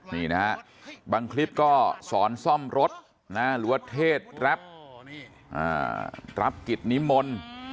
นี่นะฮะบางคลิปก็สอนซ่อมรถหรือว่าเทศแรปรับกิจนิมนต์